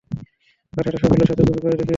আর সেটা সাফল্যের সাথে তুমি করে দেখিয়েছো।